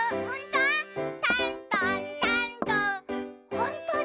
ほんとだ！